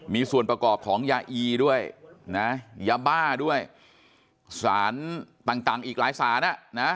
มีส่วนประกอบของยาอีด้วยนะยาบ้าด้วยสารต่างอีกหลายสารอ่ะนะ